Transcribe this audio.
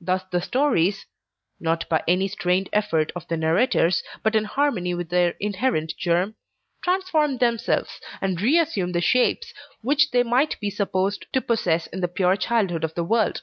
Thus the stories (not by any strained effort of the narrator's, but in harmony with their inherent germ) transform themselves, and re assume the shapes which they might be supposed to possess in the pure childhood of the world.